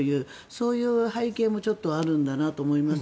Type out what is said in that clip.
そういう背景もちょっとあるんだなと思います。